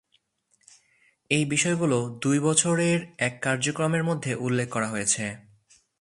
এই বিষয়গুলো দুই বছরের এক কার্যক্রমের মধ্যে উল্লেখ করা হয়েছে।